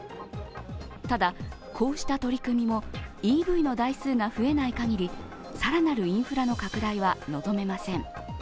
ただ、こうした取り組みもＥＶの台数が増えないかぎり、更なるインフラの拡大は望めません。